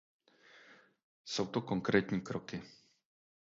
Jsou to konkrétní kroky.